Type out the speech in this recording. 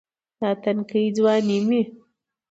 دا تنکے ځواني مې